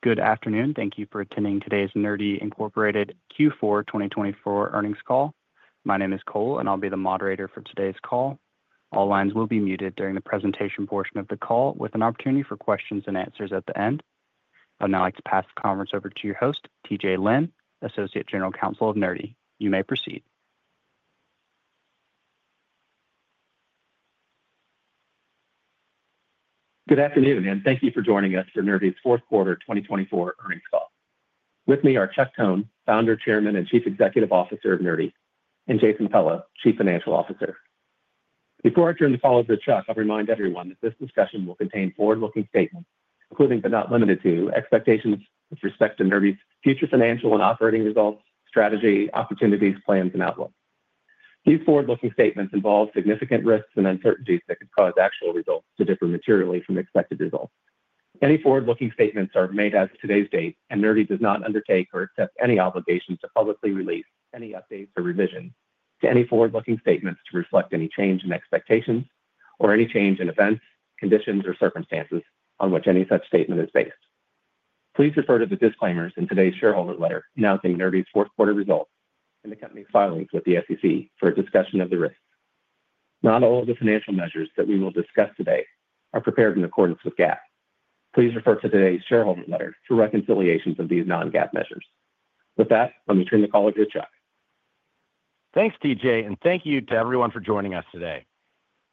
Good afternoon. Thank you for attending today's Nerdy Inc Q4 2024 earnings call. My name is Cole, and I'll be the moderator for today's call. All lines will be muted during the presentation portion of the call, with an opportunity for questions and answers at the end. I'd now like to pass the conference over to your host, T.J. Lynn, Associate General Counsel of Nerdy. You may proceed. Good afternoon, and thank you for joining us for Nerdy's fourth quarter 2024 earnings call. With me are Chuck Cohn, Founder, Chairman and Chief Executive Officer of Nerdy, and Jason Pello, Chief Financial Officer. Before I turn the call over to Chuck, I'll remind everyone that this discussion will contain forward-looking statements, including but not limited to expectations with respect to Nerdy's future financial and operating results, strategy, opportunities, plans, and outlook. These forward-looking statements involve significant risks and uncertainties that could cause actual results to differ materially from expected results. Any forward-looking statements are made as of today's date, and Nerdy does not undertake or accept any obligations to publicly release any updates or revisions to any forward-looking statements to reflect any change in expectations or any change in events, conditions, or circumstances on which any such statement is based. Please refer to the disclaimers in today's shareholder letter announcing Nerdy's fourth quarter results and the company's filings with the SEC for a discussion of the risks. Not all of the financial measures that we will discuss today are prepared in accordance with GAAP. Please refer to today's shareholder letter for reconciliations of these non-GAAP measures. With that, let me turn the call over to Chuck. Thanks, T.J., and thank you to everyone for joining us today.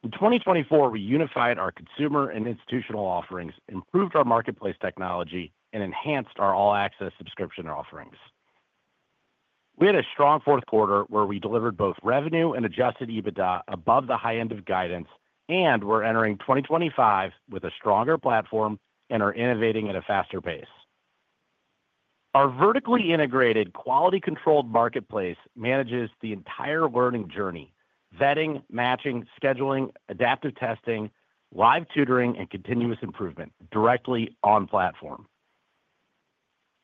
In 2024, we unified our consumer and institutional offerings, improved our marketplace technology, and enhanced our all-access subscription offerings. We had a strong fourth quarter where we delivered both revenue and Adjusted EBITDA above the high end of guidance, and we're entering 2025 with a stronger platform and are innovating at a faster pace. Our vertically integrated, quality-controlled marketplace manages the entire learning journey: vetting, matching, scheduling, adaptive testing, live tutoring, and continuous improvement directly on platform.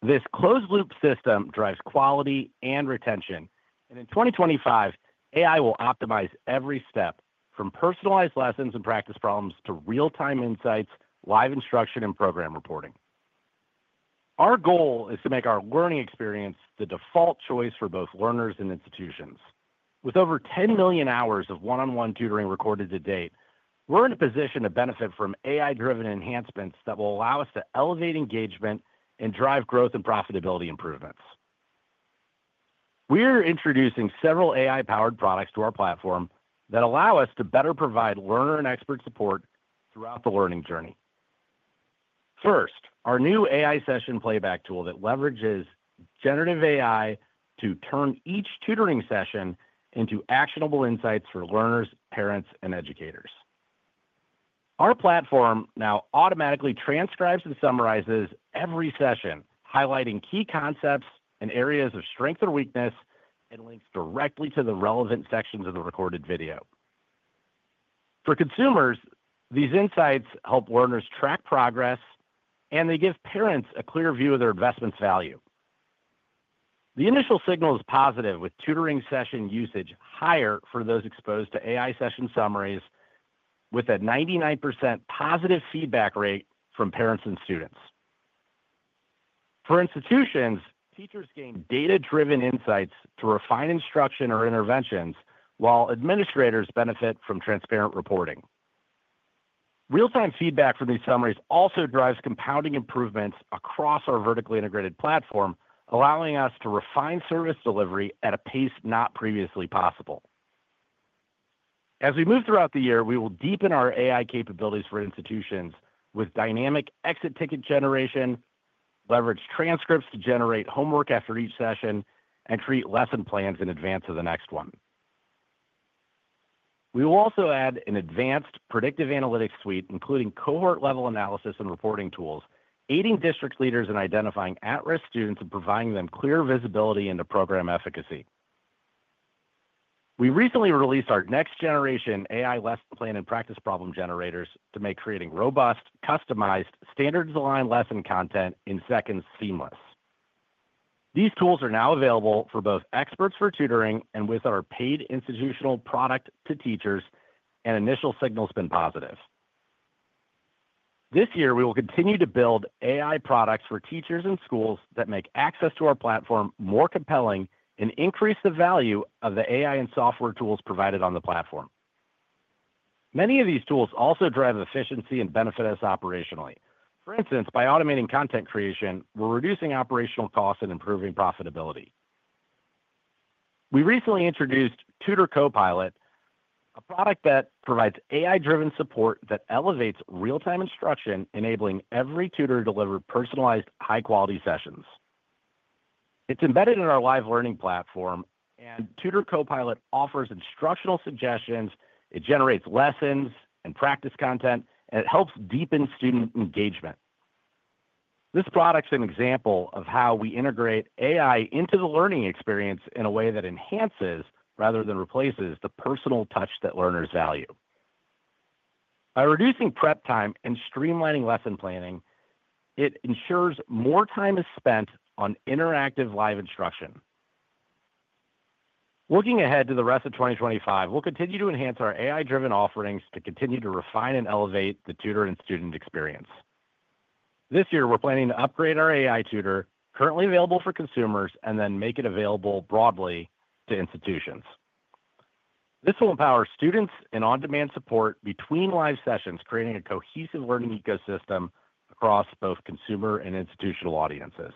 This closed-loop system drives quality and retention, and in 2025, AI will optimize every step from personalized lessons and practice problems to real-time insights, live instruction, and program reporting. Our goal is to make our learning experience the default choice for both learners and institutions. With over 10 million hours of one-on-one tutoring recorded to date, we're in a position to benefit from AI-driven enhancements that will allow us to elevate engagement and drive growth and profitability improvements. We're introducing several AI-powered products to our platform that allow us to better provide learner and expert support throughout the learning journey. First, our new AI session playback tool that leverages generative AI to turn each tutoring session into actionable insights for learners, parents, and educators. Our platform now automatically transcribes and summarizes every session, highlighting key concepts and areas of strength or weakness, and links directly to the relevant sections of the recorded video. For consumers, these insights help learners track progress, and they give parents a clear view of their investment's value. The initial signal is positive, with tutoring session usage higher for those exposed to AI session summaries, with a 99% positive feedback rate from parents and students. For institutions, teachers gain data-driven insights to refine instruction or interventions, while administrators benefit from transparent reporting. Real-time feedback from these summaries also drives compounding improvements across our vertically integrated platform, allowing us to refine service delivery at a pace not previously possible. As we move throughout the year, we will deepen our AI capabilities for institutions with dynamic exit ticket generation, leverage transcripts to generate homework after each session, and create lesson plans in advance of the next one. We will also add an advanced predictive analytics suite, including cohort-level analysis and reporting tools, aiding district leaders in identifying at-risk students and providing them clear visibility into program efficacy. We recently released our next-generation AI Lesson Plan and Practice Problem Generators to make creating robust, customized, standards-aligned lesson content in seconds seamless. These tools are now available for both experts for tutoring and with our paid institutional product to teachers, and initial signal has been positive. This year, we will continue to build AI products for teachers and schools that make access to our platform more compelling and increase the value of the AI and software tools provided on the platform. Many of these tools also drive efficiency and benefit us operationally. For instance, by automating content creation, we're reducing operational costs and improving profitability. We recently introduced Tutor Copilot, a product that provides AI-driven support that elevates real-time instruction, enabling every tutor to deliver personalized, high-quality sessions. It's embedded in our live learning platform, and Tutor Copilot offers instructional suggestions. It generates lessons and practice content, and it helps deepen student engagement. This product is an example of how we integrate AI into the learning experience in a way that enhances, rather than replaces, the personal touch that learners value. By reducing prep time and streamlining lesson planning, it ensures more time is spent on interactive live instruction. Looking ahead to the rest of 2025, we'll continue to enhance our AI-driven offerings to continue to refine and elevate the tutor and student experience. This year, we're planning to upgrade our AI Tutor currently available for consumers and then make it available broadly to institutions. This will empower students and on-demand support between live sessions, creating a cohesive learning ecosystem across both consumer and institutional audiences.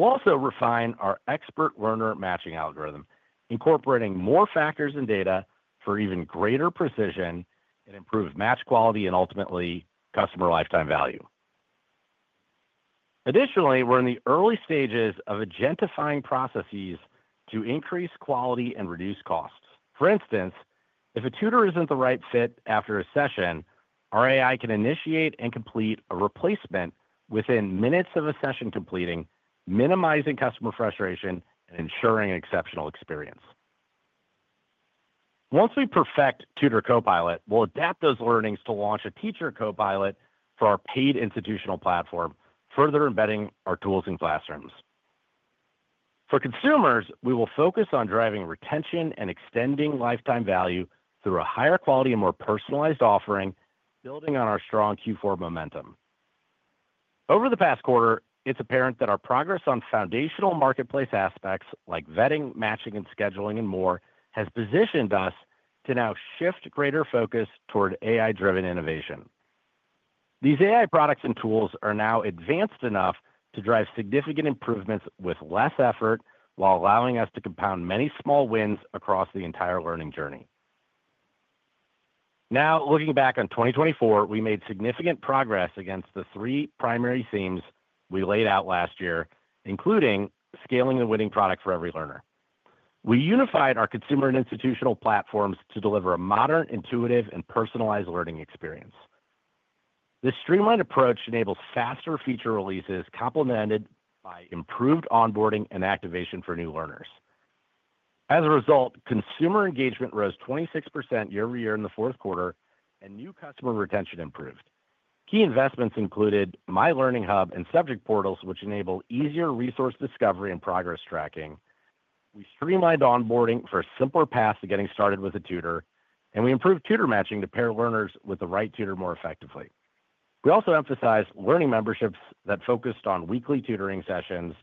We'll also refine our expert learner matching algorithm, incorporating more factors and data for even greater precision and improved match quality and ultimately customer lifetime value. Additionally, we're in the early stages of agentifying processes to increase quality and reduce costs. For instance, if a tutor isn't the right fit after a session, our AI can initiate and complete a replacement within minutes of a session completing, minimizing customer frustration and ensuring an exceptional experience. Once we perfect Tutor Copilot, we'll adapt those learnings to launch a Teacher Copilot for our paid institutional platform, further embedding our tools in classrooms. For consumers, we will focus on driving retention and extending lifetime value through a higher quality and more personalized offering, building on our strong Q4 momentum. Over the past quarter, it's apparent that our progress on foundational marketplace aspects like vetting, matching, and scheduling, and more has positioned us to now shift greater focus toward AI-driven innovation. These AI products and tools are now advanced enough to drive significant improvements with less effort while allowing us to compound many small wins across the entire learning journey. Now, looking back on 2024, we made significant progress against the three primary themes we laid out last year, including scaling the winning product for every learner. We unified our consumer and institutional platforms to deliver a modern, intuitive, and personalized learning experience. This streamlined approach enables faster feature releases complemented by improved onboarding and activation for new learners. As a result, consumer engagement rose 26% year-over-year in the fourth quarter, and new customer retention improved. Key investments included My Learning Hub and Subject Portals, which enable easier resource discovery and progress tracking. We streamlined onboarding for a simpler path to getting started with a tutor, and we improved tutor matching to pair learners with the right tutor more effectively. We also emphasized Learning Memberships that focused on weekly tutoring sessions,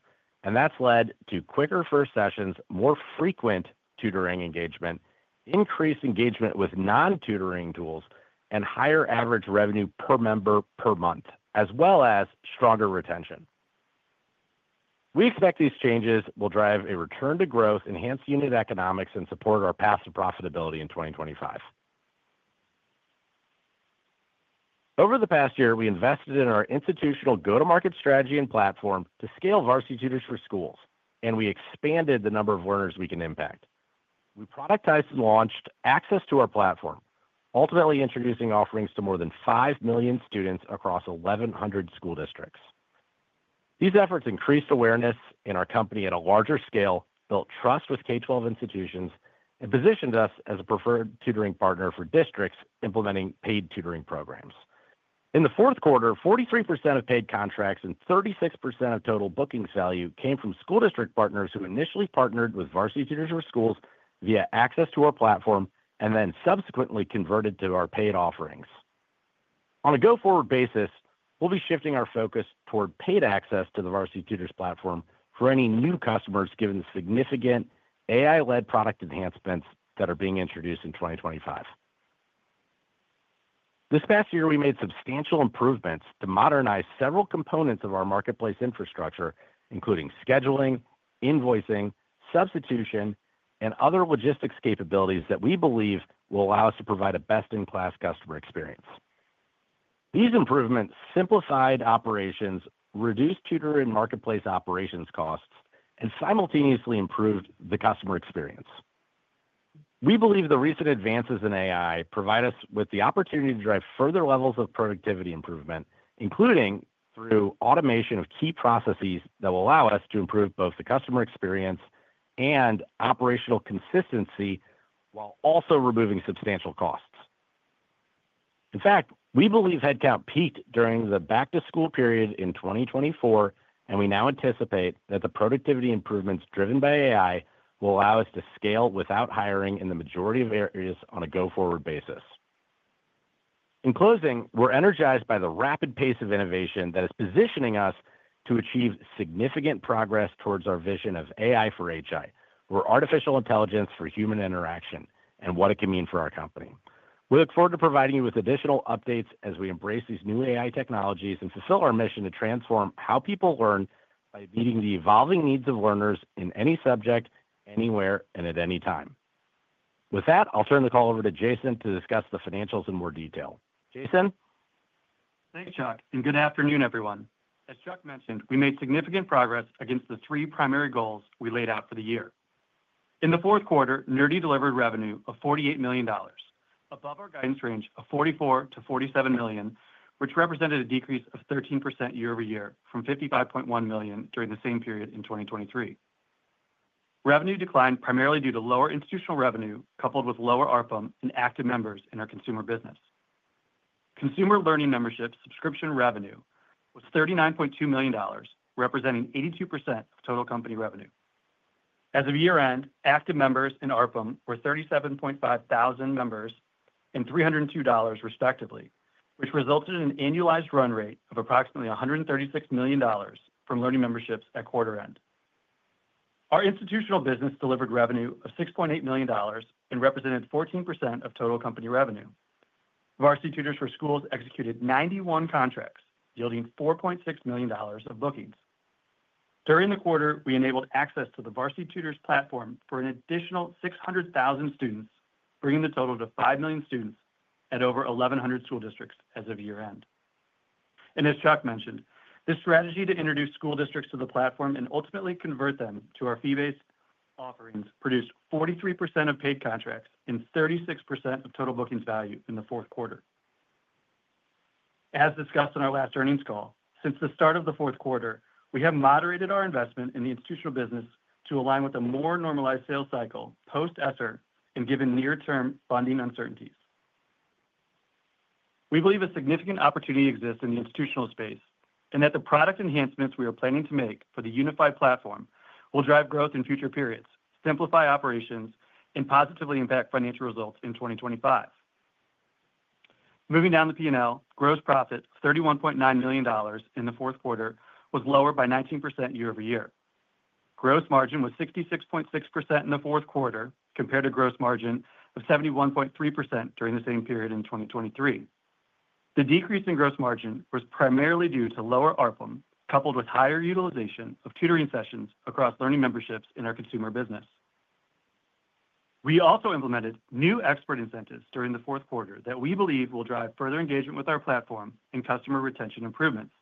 and that's led to quicker first sessions, more frequent tutoring engagement, increased engagement with non-tutoring tools, and higher average revenue per member per month, as well as stronger retention. We expect these changes will drive a return to growth, enhance unit economics, and support our path to profitability in 2025. Over the past year, we invested in our institutional go-to-market strategy and platform to scale Varsity Tutors for Schools, and we expanded the number of learners we can impact. We productized and launched access to our platform, ultimately introducing offerings to more than five million students across 1,100 school districts. These efforts increased awareness in our company at a larger scale, built trust with K-12 institutions, and positioned us as a preferred tutoring partner for districts implementing paid tutoring programs. In the fourth quarter, 43% of paid contracts and 36% of total bookings value came from school district partners who initially partnered with Varsity Tutors for Schools via access to our platform and then subsequently converted to our paid offerings. On a go-forward basis, we'll be shifting our focus toward paid access to the Varsity Tutors platform for any new customers given the significant AI-led product enhancements that are being introduced in 2025. This past year, we made substantial improvements to modernize several components of our marketplace infrastructure, including scheduling, invoicing, substitution, and other logistics capabilities that we believe will allow us to provide a best-in-class customer experience. These improvements simplified operations, reduced tutor and marketplace operations costs, and simultaneously improved the customer experience. We believe the recent advances in AI provide us with the opportunity to drive further levels of productivity improvement, including through automation of key processes that will allow us to improve both the customer experience and operational consistency while also removing substantial costs. In fact, we believe headcount peaked during the back-to-school period in 2024, and we now anticipate that the productivity improvements driven by AI will allow us to scale without hiring in the majority of areas on a go-forward basis. In closing, we're energized by the rapid pace of innovation that is positioning us to achieve significant progress towards our vision of AI for HI, or artificial intelligence for human interaction, and what it can mean for our company. We look forward to providing you with additional updates as we embrace these new AI technologies and fulfill our mission to transform how people learn by meeting the evolving needs of learners in any subject, anywhere, and at any time. With that, I'll turn the call over to Jason to discuss the financials in more detail. Jason? Thanks, Chuck, and good afternoon, everyone. As Chuck mentioned, we made significant progress against the three primary goals we laid out for the year. In the fourth quarter, Nerdy delivered revenue of $48 million, above our guidance range of $44 million-$47 million, which represented a decrease of 13% year-over-year from $55.1 million during the same period in 2023. Revenue declined primarily due to lower institutional revenue coupled with lower ARPM and active members in our consumer business. Consumer learning membership subscription revenue was $39.2 million, representing 82% of total company revenue. As of year-end, active members and ARPM were 37,500 members and $302, respectively, which resulted in an annualized run rate of approximately $136 million from learning memberships at quarter-end. Our institutional business delivered revenue of $6.8 million and represented 14% of total company revenue. Varsity Tutors for Schools executed 91 contracts, yielding $4.6 million of bookings. During the quarter, we enabled access to the Varsity Tutors platform for an additional 600,000 students, bringing the total to five million students at over 1,100 school districts as of year-end. As Chuck mentioned, this strategy to introduce school districts to the platform and ultimately convert them to our fee-based offerings produced 43% of paid contracts and 36% of total bookings value in the fourth quarter. As discussed in our last earnings call, since the start of the fourth quarter, we have moderated our investment in the institutional business to align with a more normalized sales cycle post-ESSER and given near-term funding uncertainties. We believe a significant opportunity exists in the institutional space and that the product enhancements we are planning to make for the unified platform will drive growth in future periods, simplify operations, and positively impact financial results in 2025. Moving down the P&L, gross profit of $31.9 million in the fourth quarter was lower by 19% year-over-year. Gross margin was 66.6% in the fourth quarter compared to gross margin of 71.3% during the same period in 2023. The decrease in gross margin was primarily due to lower ARPM coupled with higher utilization of tutoring sessions across learning memberships in our consumer business. We also implemented new expert incentives during the fourth quarter that we believe will drive further engagement with our platform and customer retention improvements.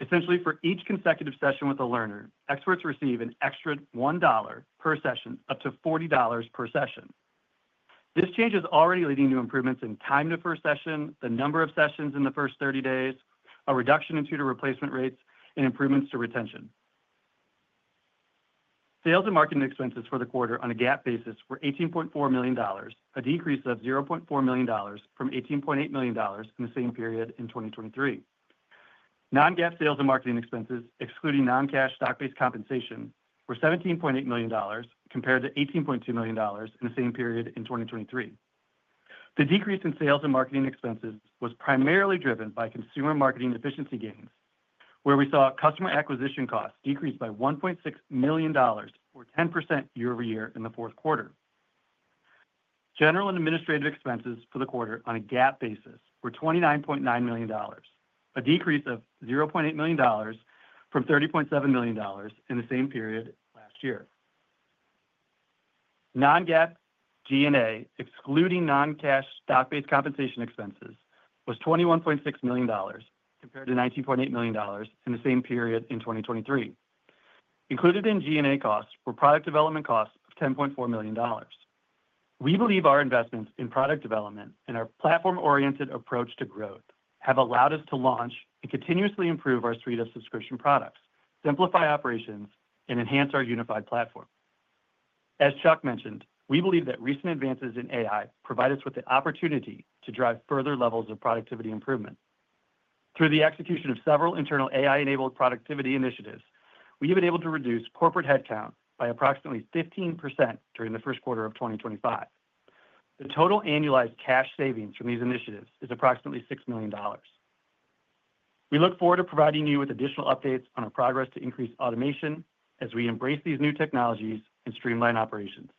Essentially, for each consecutive session with a learner, experts receive an extra $1 per session, up to $40 per session. This change is already leading to improvements in time to first session, the number of sessions in the first 30 days, a reduction in tutor replacement rates, and improvements to retention. Sales and marketing expenses for the quarter on a GAAP basis were $18.4 million, a decrease of $0.4 million from $18.8 million in the same period in 2023. Non-GAAP sales and marketing expenses, excluding non-cash stock-based compensation, were $17.8 million compared to $18.2 million in the same period in 2023. The decrease in sales and marketing expenses was primarily driven by consumer marketing efficiency gains, where we saw customer acquisition costs decrease by $1.6 million or 10% year-over-year in the fourth quarter. General and administrative expenses for the quarter on a GAAP basis were $29.9 million, a decrease of $0.8 million from $30.7 million in the same period last year. Non-GAAP G&A, excluding non-cash stock-based compensation expenses, was $21.6 million compared to $19.8 million in the same period in 2023. Included in G&A costs were product development costs of $10.4 million. We believe our investments in product development and our platform-oriented approach to growth have allowed us to launch and continuously improve our suite of subscription products, simplify operations, and enhance our unified platform. As Chuck mentioned, we believe that recent advances in AI provide us with the opportunity to drive further levels of productivity improvement. Through the execution of several internal AI-enabled productivity initiatives, we have been able to reduce corporate headcount by approximately 15% during the first quarter of 2025. The total annualized cash savings from these initiatives is approximately $6 million. We look forward to providing you with additional updates on our progress to increase automation as we embrace these new technologies and streamline operations.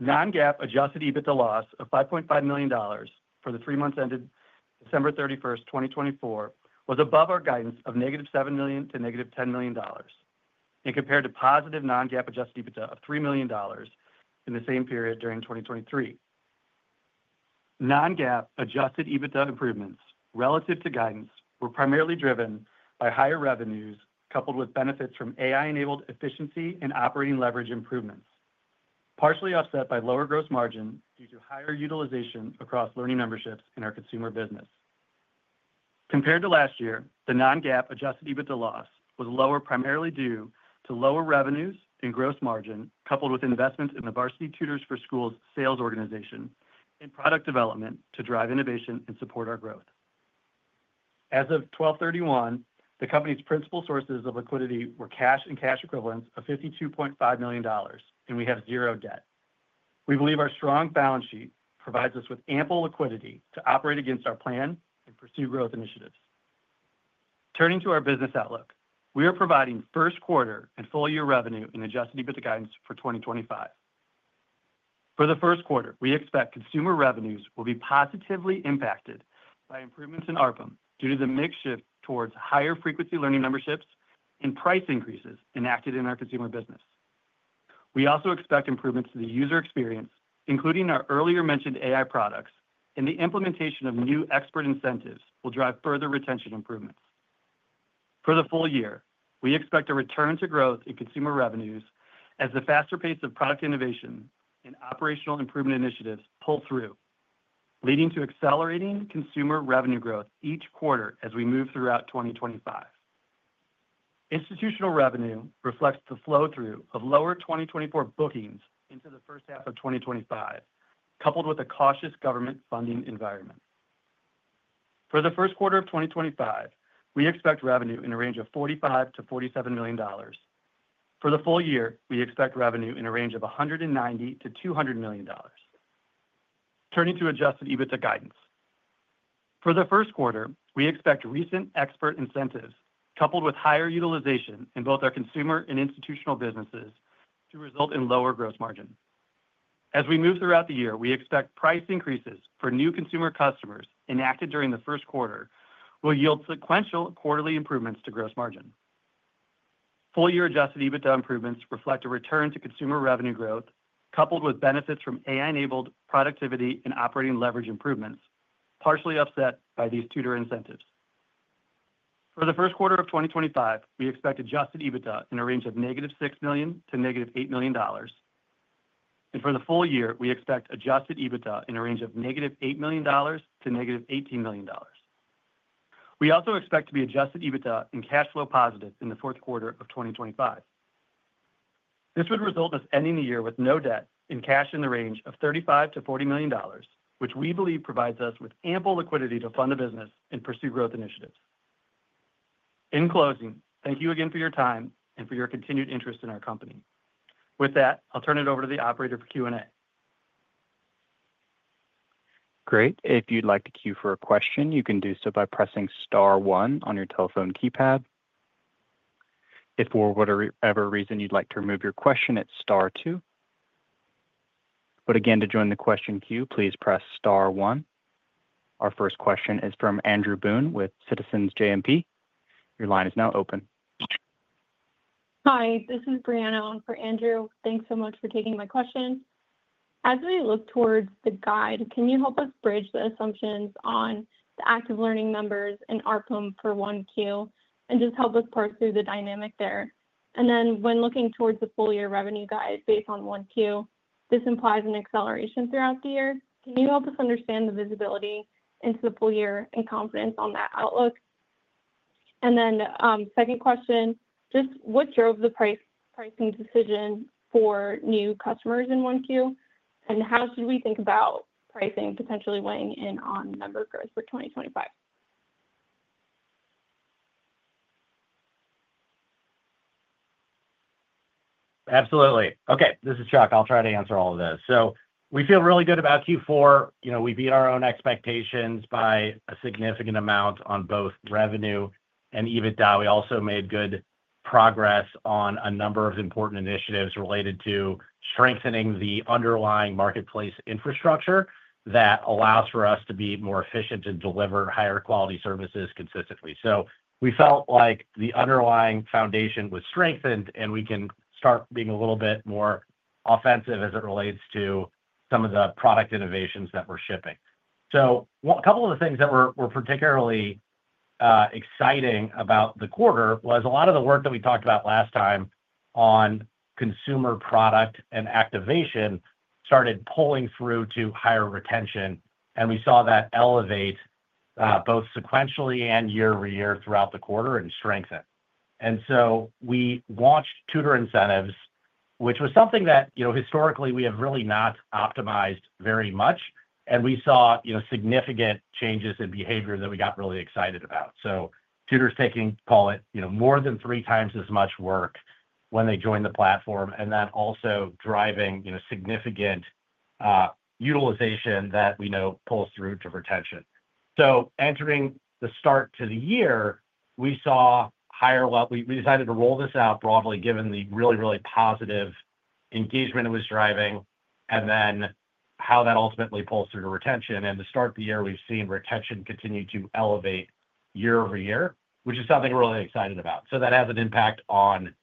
Non-GAAP Adjusted EBITDA loss of $5.5 million for the three months ended December 31st, 2024, was above our guidance of negative $7 million to negative $10 million and compared to positive non-GAAP Adjusted EBITDA of $3 million in the same period during 2023. Non-GAAP Adjusted EBITDA improvements relative to guidance were primarily driven by higher revenues coupled with benefits from AI-enabled efficiency and operating leverage improvements, partially offset by lower gross margin due to higher utilization across Learning Memberships in our consumer business. Compared to last year, the non-GAAP Adjusted EBITDA loss was lower, primarily due to lower revenues and gross margin coupled with investments in the Varsity Tutors for Schools sales organization and product development to drive innovation and support our growth. As of December 31, the company's principal sources of liquidity were cash and cash equivalents of $52.5 million, and we have zero debt. We believe our strong balance sheet provides us with ample liquidity to operate against our plan and pursue growth initiatives. Turning to our business outlook, we are providing first quarter and full-year revenue and Adjusted EBITDA guidance for 2025. For the first quarter, we expect consumer revenues will be positively impacted by improvements in ARPM due to the mix shift towards higher frequency Learning Memberships and price increases enacted in our consumer business. We also expect improvements to the user experience, including our earlier mentioned AI products, and the implementation of new expert incentives will drive further retention improvements. For the full year, we expect a return to growth in consumer revenues as the faster pace of product innovation and operational improvement initiatives pull through, leading to accelerating consumer revenue growth each quarter as we move throughout 2025. Institutional revenue reflects the flow-through of lower 2024 bookings into the first half of 2025, coupled with a cautious government funding environment. For the first quarter of 2025, we expect revenue in a range of $45 million-$47 million. For the full year, we expect revenue in a range of $190 million-$200 million. Turning to Adjusted EBITDA guidance. For the first quarter, we expect recent expert incentives coupled with higher utilization in both our consumer and institutional businesses to result in lower gross margin. As we move throughout the year, we expect price increases for new consumer customers enacted during the first quarter will yield sequential quarterly improvements to gross margin. Full-year Adjusted EBITDA improvements reflect a return to consumer revenue growth coupled with benefits from AI-enabled productivity and operating leverage improvements, partially offset by these tutor incentives. For the first quarter of 2025, we expect Adjusted EBITDA in a range of negative $6 million to negative $8 million. For the full year, we expect Adjusted EBITDA in a range of negative $8 million to negative $18 million. We also expect to be Adjusted EBITDA and cash flow positive in the fourth quarter of 2025. This would result in us ending the year with no debt and cash in the range of $35 million to $40 million, which we believe provides us with ample liquidity to fund the business and pursue growth initiatives. In closing, thank you again for your time and for your continued interest in our company. With that, I'll turn it over to the operator for Q&A. Great. If you'd like to queue for a question, you can do so by pressing star one on your telephone keypad. If for whatever reason you'd like to remove your question, it's star two. Again, to join the question queue, please press star one. Our first question is from Andrew Boone with Citizens JMP. Your line is now open. Hi, this is Brianna for Andrew. Thanks so much for taking my question. As we look towards the guide, can you help us bridge the assumptions on the active learning members and ARPM for 1Q and just help us parse through the dynamic there? When looking towards the full-year revenue guide based on 1Q, this implies an acceleration throughout the year. Can you help us understand the visibility into the full-year and confidence on that outlook? Second question, just what drove the pricing decision for new customers in 1Q? How should we think about pricing potentially weighing in on member growth for 2025? Absolutely. Okay, this is Chuck. I'll try to answer all of this. We feel really good about Q4. We beat our own expectations by a significant amount on both revenue and EBITDA. We also made good progress on a number of important initiatives related to strengthening the underlying marketplace infrastructure that allows for us to be more efficient and deliver higher quality services consistently. We felt like the underlying foundation was strengthened, and we can start being a little bit more offensive as it relates to some of the product innovations that we're shipping. A couple of the things that were particularly exciting about the quarter was a lot of the work that we talked about last time on consumer product and activation started pulling through to higher retention. We saw that elevate both sequentially and year-over-year throughout the quarter and strengthen. We launched tutor incentives, which was something that historically we have really not optimized very much. We saw significant changes in behavior that we got really excited about. Tutors taking, call it, more than three times as much work when they join the platform, and that also driving significant utilization that we know pulls through to retention. Entering the start to the year, we saw higher level. We decided to roll this out broadly given the really, really positive engagement it was driving and then how that ultimately pulls through to retention. At the start of the year, we have seen retention continue to elevate year-over-year, which is something we are really excited about. That has an impact on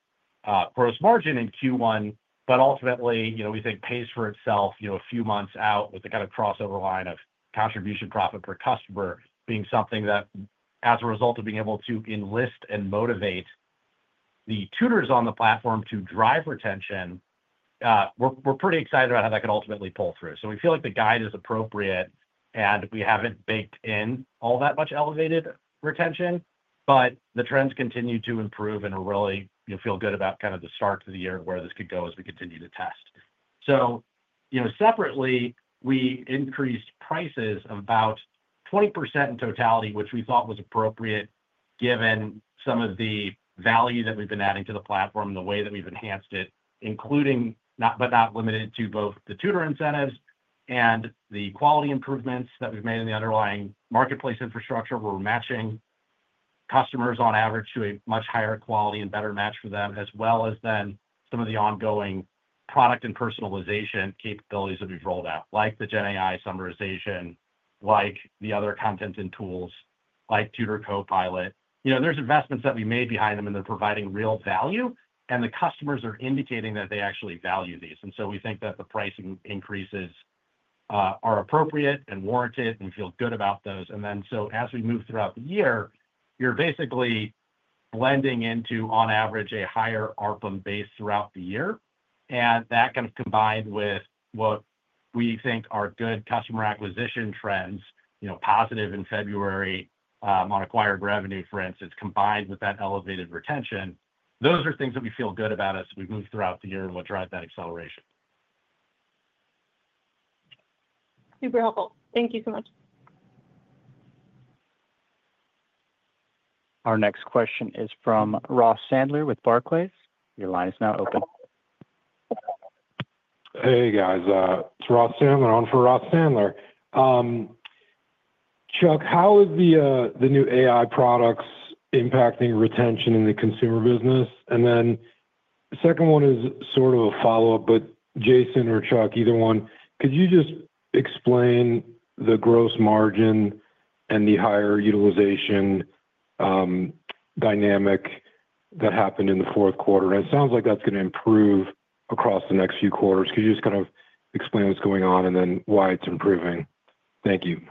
gross margin in Q1, but ultimately, we think pays for itself a few months out with the kind of crossover line of contribution profit per customer being something that, as a result of being able to enlist and motivate the tutors on the platform to drive retention, we're pretty excited about how that could ultimately pull through. We feel like the guide is appropriate, and we haven't baked in all that much elevated retention, but the trends continue to improve and really feel good about kind of the start to the year of where this could go as we continue to test. Separately, we increased prices about 20% in totality, which we thought was appropriate given some of the value that we've been adding to the platform and the way that we've enhanced it, including but not limited to both the tutor incentives and the quality improvements that we've made in the underlying marketplace infrastructure. We're matching customers on average to a much higher quality and better match for them, as well as then some of the ongoing product and personalization capabilities that we've rolled out, like the GenAI summarization, like the other content and tools, like Tutor Copilot. There's investments that we made behind them, and they're providing real value, and the customers are indicating that they actually value these. We think that the pricing increases are appropriate and warranted, and we feel good about those. As we move throughout the year, you're basically blending into, on average, a higher ARPM base throughout the year. That, combined with what we think are good customer acquisition trends, positive in February on acquired revenue, for instance, combined with that elevated retention, those are things that we feel good about as we move throughout the year and will drive that acceleration. Super helpful. Thank you so much. Our next question is from Ross Sandler with Barclays. Your line is now open. Hey, guys. It's Ross Sandler on for Ross Sandler. Chuck, how is the new AI products impacting retention in the consumer business? The second one is sort of a follow-up, but Jason or Chuck, either one, could you just explain the gross margin and the higher utilization dynamic that happened in the fourth quarter? It sounds like that's going to improve across the next few quarters. Could you just kind of explain what's going on and then why it's improving? Thank you.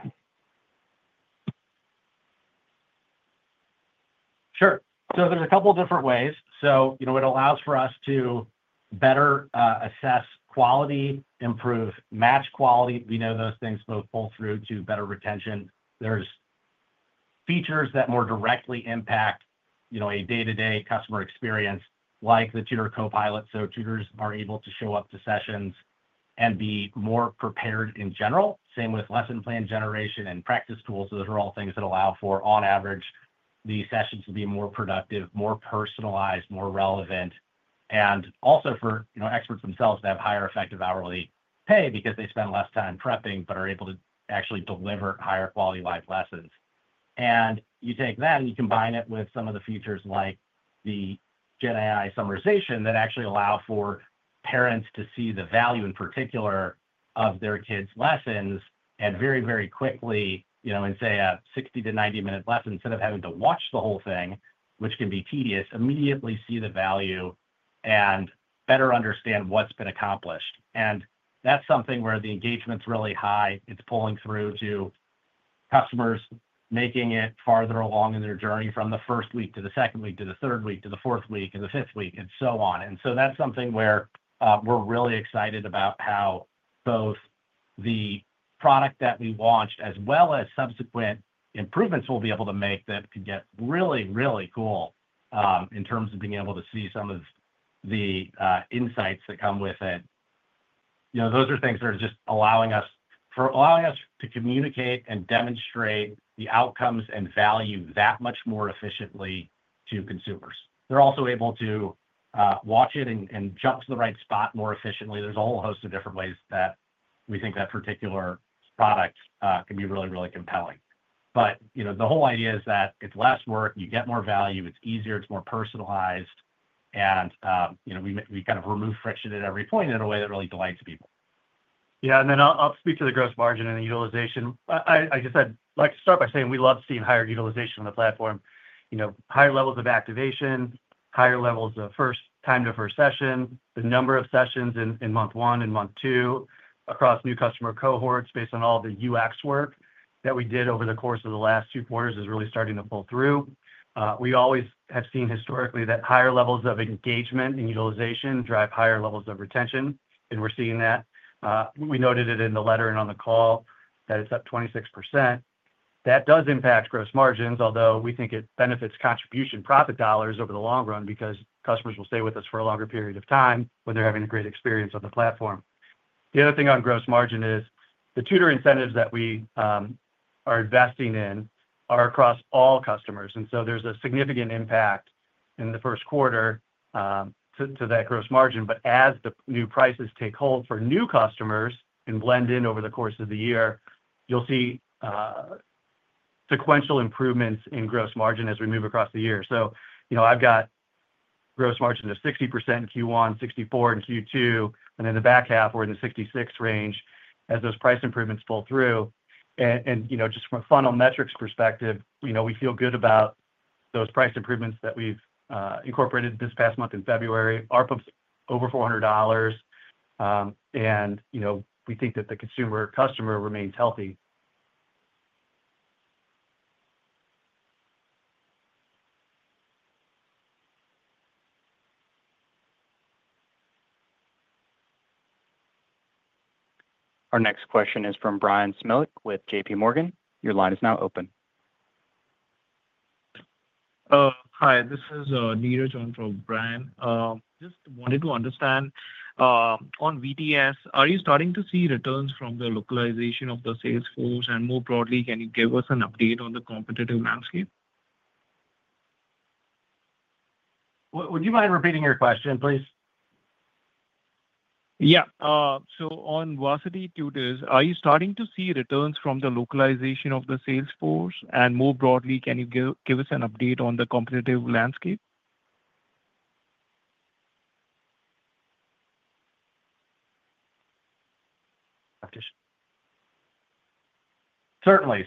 Sure. There are a couple of different ways. It allows for us to better assess quality, improve match quality. We know those things both pull through to better retention. There are features that more directly impact a day-to-day customer experience like the Tutor Copilot. Tutors are able to show up to sessions and be more prepared in general, same with lesson plan generation and practice tools. Those are all things that allow for, on average, the sessions to be more productive, more personalized, more relevant, and also for experts themselves to have higher effective hourly pay because they spend less time prepping but are able to actually deliver higher quality live lessons. You take that and you combine it with some of the features like the GenAI summarization that actually allow for parents to see the value in particular of their kids' lessons and very, very quickly, in, say, a 60 to 90-minute lesson, instead of having to watch the whole thing, which can be tedious, immediately see the value and better understand what's been accomplished. That is something where the engagement's really high. It's pulling through to customers, making it farther along in their journey from the first week to the second week to the third week to the fourth week to the fifth week and so on. That is something where we're really excited about how both the product that we launched as well as subsequent improvements we'll be able to make can get really, really cool in terms of being able to see some of the insights that come with it. Those are things that are just allowing us to communicate and demonstrate the outcomes and value that much more efficiently to consumers. They're also able to watch it and jump to the right spot more efficiently. There's a whole host of different ways that we think that particular product can be really, really compelling. The whole idea is that it's less work, you get more value, it's easier, it's more personalized, and we kind of remove friction at every point in a way that really delights people. Yeah. I'll speak to the gross margin and the utilization. I just like to start by saying we love seeing higher utilization on the platform, higher levels of activation, higher levels of first time to first session, the number of sessions in month one and month two across new customer cohorts based on all the UX work that we did over the course of the last two quarters is really starting to pull through. We always have seen historically that higher levels of engagement and utilization drive higher levels of retention, and we're seeing that. We noted it in the letter and on the call that it's up 26%. That does impact gross margins, although we think it benefits contribution profit dollars over the long run because customers will stay with us for a longer period of time when they're having a great experience on the platform. The other thing on gross margin is the tutor incentives that we are investing in are across all customers. There is a significant impact in the first quarter to that gross margin. As the new prices take hold for new customers and blend in over the course of the year, you'll see sequential improvements in gross margin as we move across the year. I've got gross margin of 60% in Q1, 64% in Q2, and in the back half, we're in the 66% range as those price improvements pull through. Just from a funnel metrics perspective, we feel good about those price improvements that we've incorporated this past month in February. ARPM's over $400, and we think that the consumer customer remains healthy. Our next question is from Bryan Smilek with JPMorgan. Your line is now open. Hi, this is Neda Chong from Bryan. Just wanted to understand on VTS, are you starting to see returns from the localization of the sales force? More broadly, can you give us an update on the competitive landscape? Would you mind repeating your question, please? Yeah. On Varsity Tutors, are you starting to see returns from the localization of the sales force? More broadly, can you give us an update on the competitive landscape? Certainly.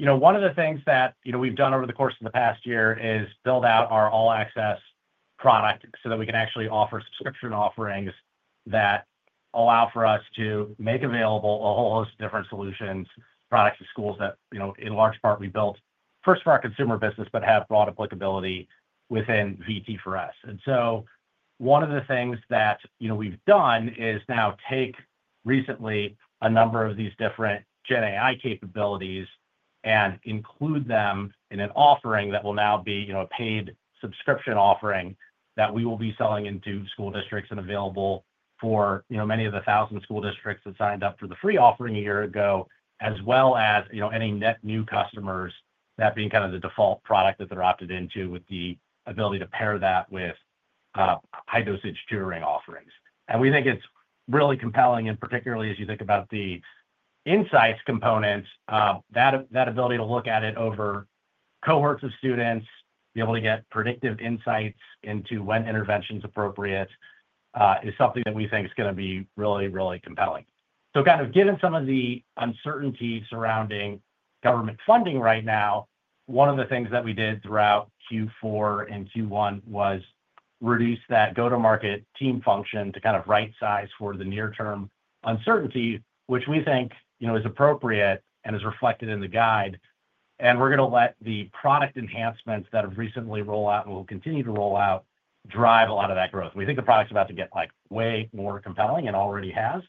One of the things that we've done over the course of the past year is build out our all-access product so that we can actually offer subscription offerings that allow for us to make available a whole host of different solutions, products, and schools that, in large part, we built first for our consumer business, but have broad applicability within VT for us. One of the things that we've done is now take recently a number of these different GenAI capabilities and include them in an offering that will now be a paid subscription offering that we will be selling into school districts and available for many of the thousand school districts that signed up for the free offering a year ago, as well as any net new customers, that being kind of the default product that they're opted into with the ability to pair that with high-dosage tutoring offerings. We think it's really compelling, and particularly as you think about the insights component, that ability to look at it over cohorts of students, be able to get predictive insights into when intervention's appropriate is something that we think is going to be really, really compelling. Kind of given some of the uncertainty surrounding government funding right now, one of the things that we did throughout Q4 and Q1 was reduce that go-to-market team function to kind of right-size for the near-term uncertainty, which we think is appropriate and is reflected in the guide. We're going to let the product enhancements that have recently rolled out and will continue to roll out drive a lot of that growth. We think the product's about to get way more compelling and already has.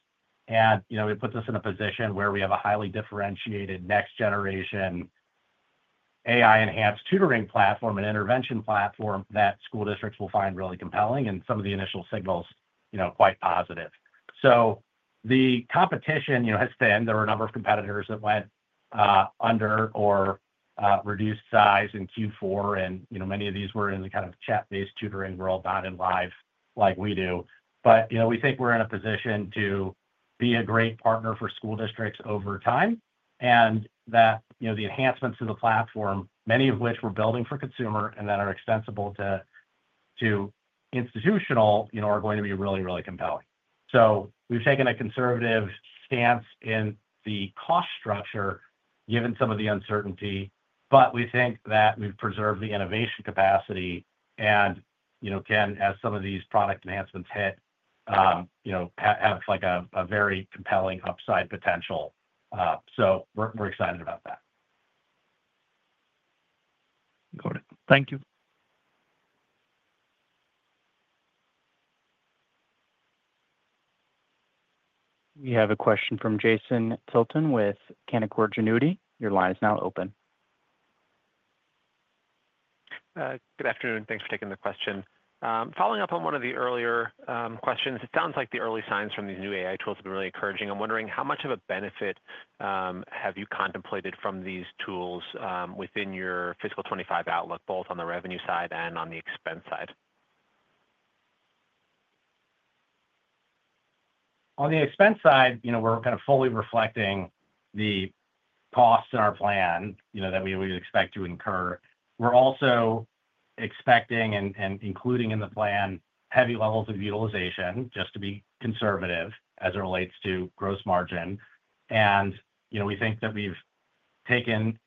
It puts us in a position where we have a highly differentiated next-generation AI-enhanced tutoring platform and intervention platform that school districts will find really compelling and some of the initial signals are quite positive. The competition has thinned. There were a number of competitors that went under or reduced size in Q4, and many of these were in the kind of chat-based tutoring world, not in live like we do. We think we're in a position to be a great partner for school districts over time and that the enhancements to the platform, many of which we're building for consumer and that are extensible to institutional, are going to be really, really compelling. We have taken a conservative stance in the cost structure given some of the uncertainty, but we think that we've preserved the innovation capacity and can, as some of these product enhancements hit, have a very compelling upside potential. We are excited about that. Got it. Thank you. We have a question from Jason Tilchen with Canaccord Genuity. Your line is now open. Good afternoon. Thanks for taking the question. Following up on one of the earlier questions, it sounds like the early signs from these new AI tools have been really encouraging. I'm wondering how much of a benefit have you contemplated from these tools within your fiscal 2025 outlook, both on the revenue side and on the expense side? On the expense side, we're kind of fully reflecting the costs in our plan that we would expect to incur. We're also expecting and including in the plan heavy levels of utilization, just to be conservative as it relates to gross margin. We think that we've taken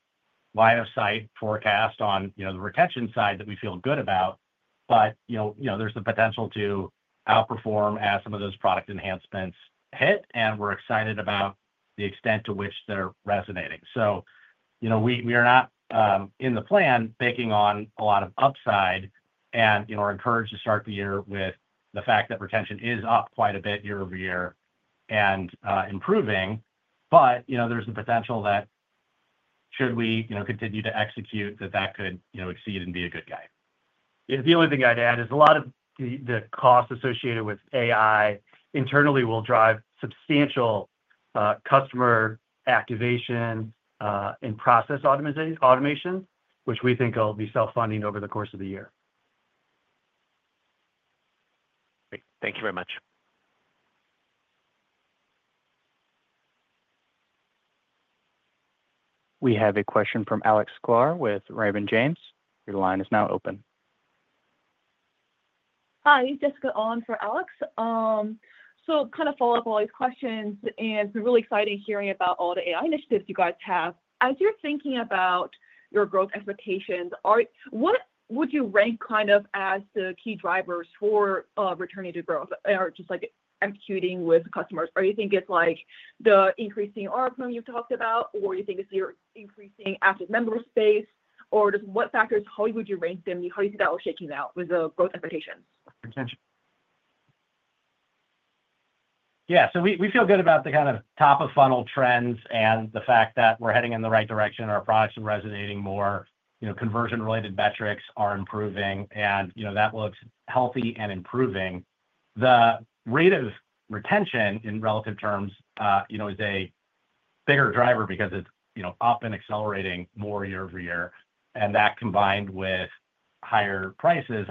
line-of-sight forecast on the retention side that we feel good about, but there's the potential to outperform as some of those product enhancements hit, and we're excited about the extent to which they're resonating. We are not in the plan baking on a lot of upside and are encouraged to start the year with the fact that retention is up quite a bit year-over-year and improving, but there's the potential that should we continue to execute that that could exceed and be a good guide. The only thing I'd add is a lot of the cost associated with AI internally will drive substantial customer activation and process automation, which we think will be self-funding over the course of the year. Great. Thank you very much. We have a question from Alex Clough with Raymond James. Your line is now open. Hi. Jessica Owen for Alex. Kind of follow-up on all these questions, and it's been really exciting hearing about all the AI initiatives you guys have. As you're thinking about your growth expectations, what would you rank kind of as the key drivers for returning to growth or just executing with customers? Are you thinking it's like the increasing ARPM you've talked about, or do you think it's your increasing active member base? Or just what factors, how would you rank them? How do you think that will shake out now with the growth expectations? Retention. Yeah. We feel good about the kind of top-of-funnel trends and the fact that we're heading in the right direction. Our products are resonating more. Conversion-related metrics are improving, and that looks healthy and improving. The rate of retention in relative terms is a bigger driver because it's up and accelerating more year-over-year. That combined with higher prices,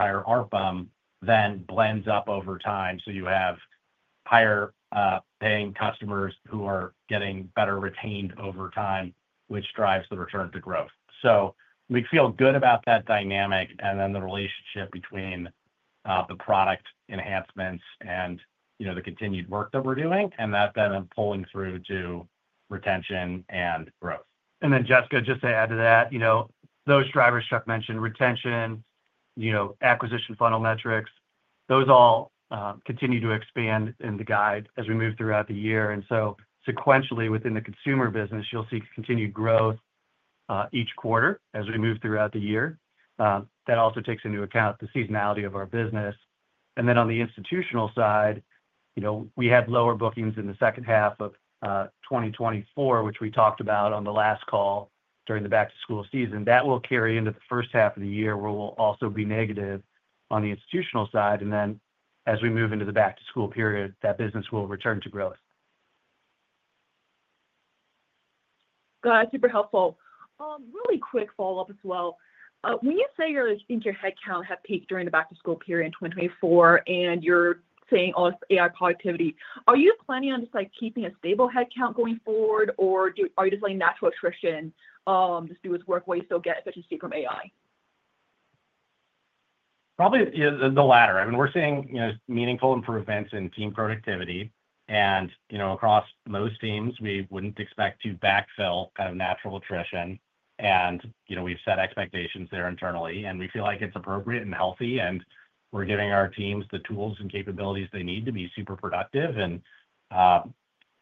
higher ARPM, then blends up over time. You have higher-paying customers who are getting better retained over time, which drives the return to growth. We feel good about that dynamic and the relationship between the product enhancements and the continued work that we're doing, and that then pulling through to retention and growth. Jessica, just to add to that, those drivers Chuck mentioned, retention, acquisition funnel metrics, those all continue to expand in the guide as we move throughout the year. Sequentially within the consumer business, you'll see continued growth each quarter as we move throughout the year. That also takes into account the seasonality of our business. On the institutional side, we had lower bookings in the second half of 2024, which we talked about on the last call during the back-to-school season. That will carry into the first half of the year where we'll also be negative on the institutional side. As we move into the back-to-school period, that business will return to growth. That's super helpful. Really quick follow-up as well. When you say your headcount had peaked during the back-to-school period in 2024 and you're seeing all this AI productivity, are you planning on just keeping a stable headcount going forward, or are you just letting natural attrition just do its work while you still get efficiency from AI? Probably the latter. I mean, we're seeing meaningful improvements in team productivity. Across most teams, we wouldn't expect to backfill kind of natural attrition. We've set expectations there internally, and we feel like it's appropriate and healthy, and we're giving our teams the tools and capabilities they need to be super productive.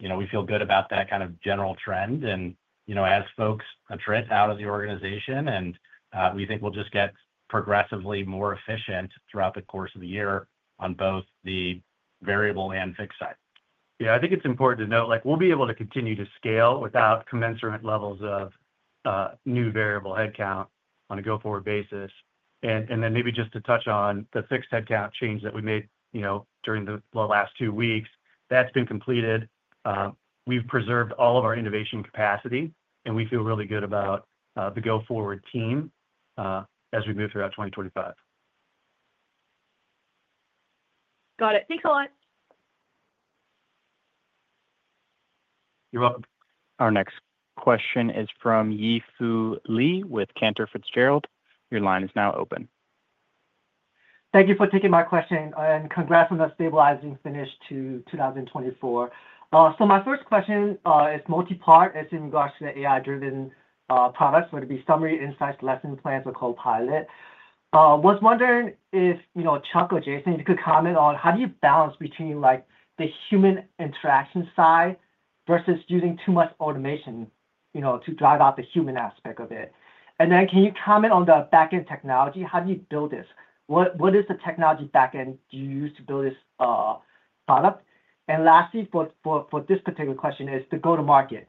We feel good about that kind of general trend. As folks attrit out of the organization, we think we'll just get progressively more efficient throughout the course of the year on both the variable and fixed side. Yeah. I think it's important to note we'll be able to continue to scale without commensurate levels of new variable headcount on a go-forward basis. Maybe just to touch on the fixed headcount change that we made during the last two weeks, that's been completed. We've preserved all of our innovation capacity, and we feel really good about the go-forward team as we move throughout 2025. Got it. Thanks a lot. You're welcome. Our next question is from Yi Fu Lee with Cantor Fitzgerald. Your line is now open. Thank you for taking my question and congrats on the stabilizing finish to 2024. My first question is multi-part. It's in regards to the AI-driven products, whether it be summary, insights, lesson plans, or Copilot. I was wondering if Chuck or Jason, if you could comment on how do you balance between the human interaction side versus using too much automation to drive out the human aspect of it. Can you comment on the back-end technology? How do you build this? What is the technology back-end you use to build this product? Lastly, for this particular question is the go-to-market.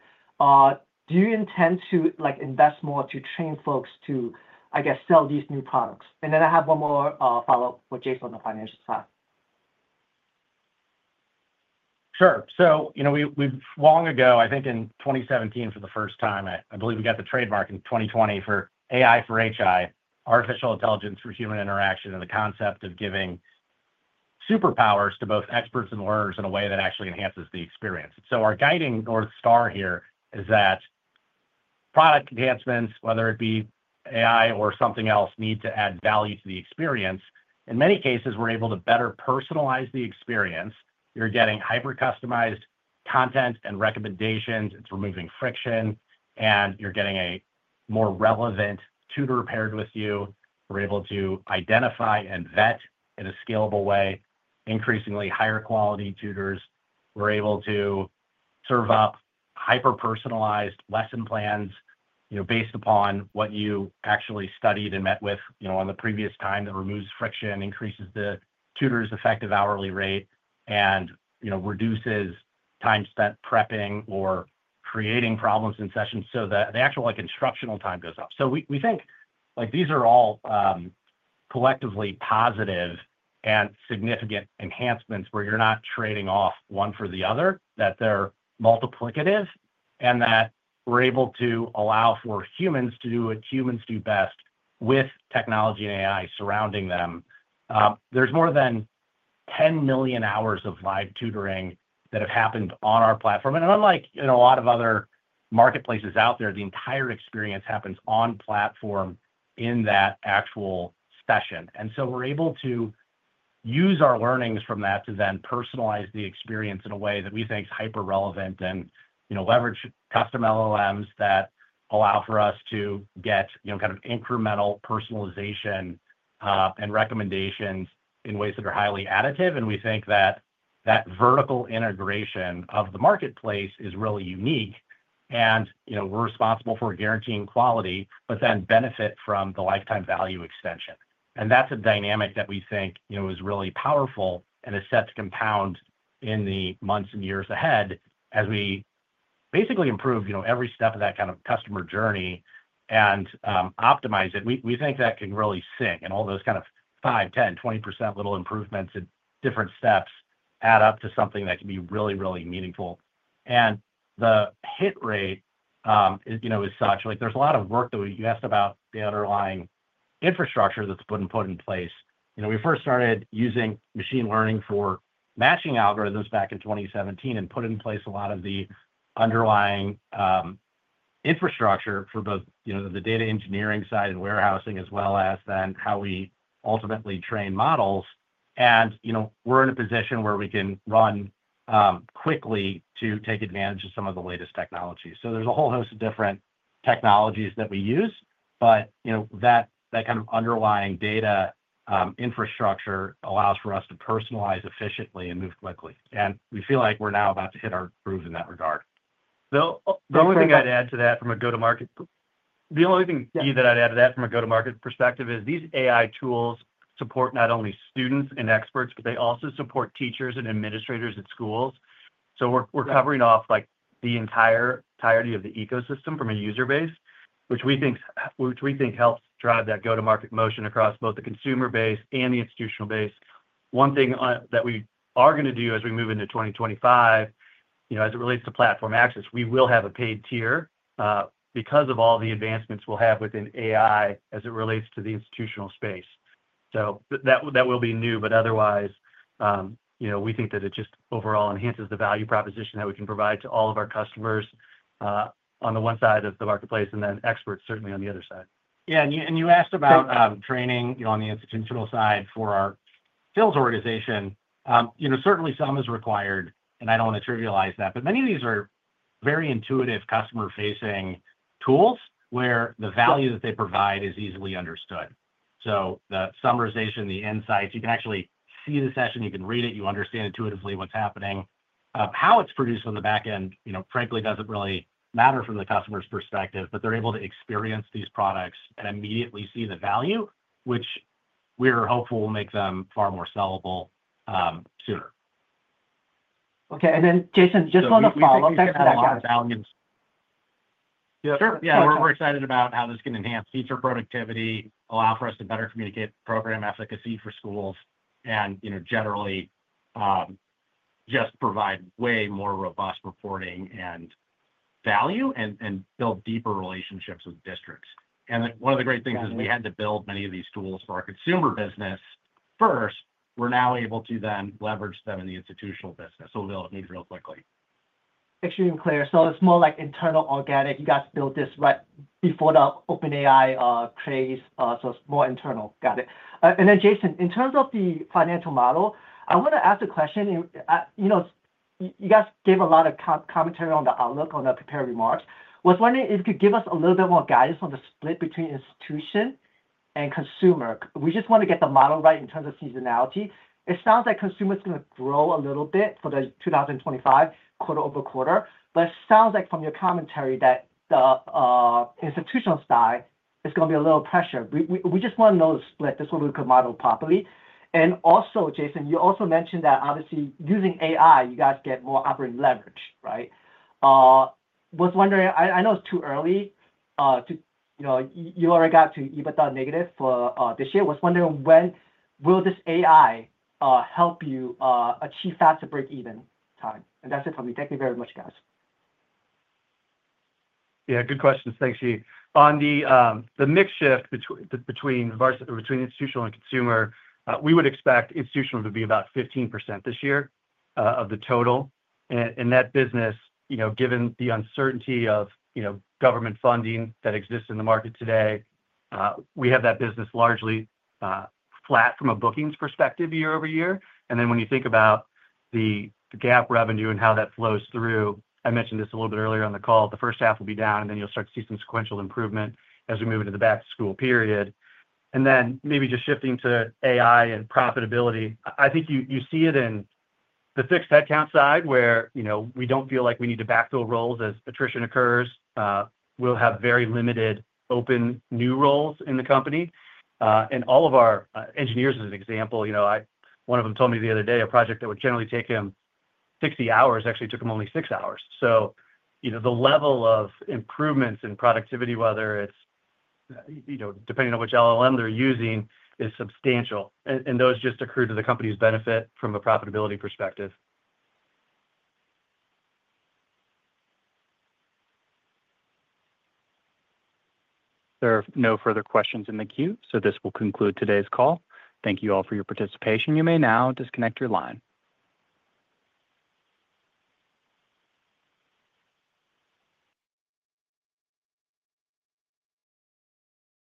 Do you intend to invest more to train folks to, I guess, sell these new products? I have one more follow-up for Jason on the financial side. Sure. Long ago, I think in 2017 for the first time, I believe we got the trademark in 2020 for AI for HI, artificial intelligence for human interaction, and the concept of giving superpowers to both experts and learners in a way that actually enhances the experience. Our guiding north star here is that product enhancements, whether it be AI or something else, need to add value to the experience. In many cases, we're able to better personalize the experience. You're getting hyper-customized content and recommendations. It's removing friction, and you're getting a more relevant tutor paired with you. We're able to identify and vet in a scalable way, increasingly higher quality tutors. We're able to serve up hyper-personalized lesson plans based upon what you actually studied and met with on the previous time. That removes friction, increases the tutor's effective hourly rate, and reduces time spent prepping or creating problems in sessions so that the actual instructional time goes up. We think these are all collectively positive and significant enhancements where you're not trading off one for the other, that they're multiplicative, and that we're able to allow for humans to do what humans do best with technology and AI surrounding them. There's more than 10 million hours of live tutoring that have happened on our platform. Unlike a lot of other marketplaces out there, the entire experience happens on platform in that actual session. We are able to use our learnings from that to then personalize the experience in a way that we think is hyper-relevant and leverage custom LLMs that allow for us to get kind of incremental personalization and recommendations in ways that are highly additive. We think that vertical integration of the marketplace is really unique. We are responsible for guaranteeing quality, but then benefit from the lifetime value extension. That is a dynamic that we think is really powerful and is set to compound in the months and years ahead as we basically improve every step of that kind of customer journey and optimize it. We think that can really sync, and all those kind of 5%, 10%, 20% little improvements at different steps add up to something that can be really, really meaningful. The hit rate is such. There's a lot of work that you asked about the underlying infrastructure that's been put in place. We first started using machine learning for matching algorithms back in 2017 and put in place a lot of the underlying infrastructure for both the data engineering side and warehousing, as well as then how we ultimately train models. We are in a position where we can run quickly to take advantage of some of the latest technologies. There is a whole host of different technologies that we use, but that kind of underlying data infrastructure allows for us to personalize efficiently and move quickly. We feel like we are now about to hit our groove in that regard. The only thing I'd add to that from a go-to-market perspective is these AI tools support not only students and experts, but they also support teachers and administrators at schools. We are covering off the entirety of the ecosystem from a user base, which we think helps drive that go-to-market motion across both the consumer base and the institutional base. One thing that we are going to do as we move into 2025, as it relates to platform access, we will have a paid tier because of all the advancements we will have within AI as it relates to the institutional space. That will be new, but otherwise, we think that it just overall enhances the value proposition that we can provide to all of our customers on the one side of the marketplace and then experts certainly on the other side. Yeah. You asked about training on the institutional side for our sales organization. Certainly, some is required, and I do not want to trivialize that, but many of these are very intuitive customer-facing tools where the value that they provide is easily understood. The summarization, the insights, you can actually see the session, you can read it, you understand intuitively what is happening. How it is produced on the back end, frankly, does not really matter from the customer's perspective, but they are able to experience these products and immediately see the value, which we are hopeful will make them far more sellable sooner. Okay. Jason, just on the follow-up. Sure. Yeah. We're excited about how this can enhance teacher productivity, allow for us to better communicate program efficacy for schools, and generally just provide way more robust reporting and value and build deeper relationships with districts. One of the great things is we had to build many of these tools for our consumer business first. We're now able to then leverage them in the institutional business. We'll be able to move real quickly. Extremely clear. It is more like internal organic. You guys built this right before the OpenAI craze. It is more internal. Got it. Jason, in terms of the financial model, I want to ask a question. You guys gave a lot of commentary on the outlook on the prepared remarks. I was wondering if you could give us a little bit more guidance on the split between institution and consumer. We just want to get the model right in terms of seasonality. It sounds like consumers are going to grow a little bit for the 2025 quarter-over-quarter, but it sounds like from your commentary that the institutional side is going to be a little pressure. We just want to know the split this way we could model properly. Also, Jason, you also mentioned that obviously using AI, you guys get more operating leverage, right? I was wondering, I know it's too early. You already got to EBITDA negative for this year. I was wondering, when will this AI help you achieve faster break-even time? That's it for me. Thank you very much, guys. Yeah. Good questions. Thanks, Yi. On the mix shift between institutional and consumer, we would expect institutional to be about 15% this year of the total. That business, given the uncertainty of government funding that exists in the market today, we have that business largely flat from a bookings perspective year-over-year. When you think about the GAAP revenue and how that flows through, I mentioned this a little bit earlier on the call, the first half will be down, and you'll start to see some sequential improvement as we move into the back-to-school period. Maybe just shifting to AI and profitability, I think you see it in the fixed headcount side where we don't feel like we need to backfill roles as attrition occurs. We'll have very limited open new roles in the company. All of our engineers, as an example, one of them told me the other day a project that would generally take him 60 hours actually took him only six hours. The level of improvements in productivity, whether it's depending on which LLM they're using, is substantial. Those just accrue to the company's benefit from a profitability perspective. There are no further questions in the queue, so this will conclude today's call. Thank you all for your participation. You may now disconnect your line.